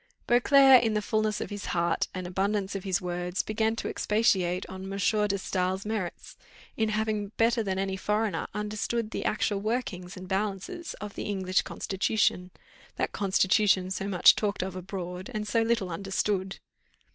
Beauclerc in the fulness of his heart, and abundance of his words, began to expatiate on M. de Staël's merits, in having better than any foreigner understood the actual workings and balances of the British constitution, that constitution so much talked of abroad, and so little understood.